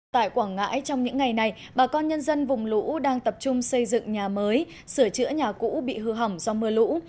tại quảng ngãi trong những ngày này bà con nhân dân vùng lũ đang tập trung xây dựng nhà mới sửa chữa nhà cũ bị hư hỏng do mưa lũ